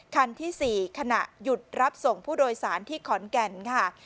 คันที่๔ขณะหยุดรับส่งผู้โดยสารที่ขอนแก่นค่ะ